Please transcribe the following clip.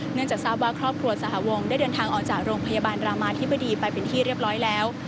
เนื่องจากทราบว่าครอบครัวสหวงได้เดินทางออกจากโรงพยาบาลรามาธิบดีไปเป็นที่เรียบร้อยแล้ว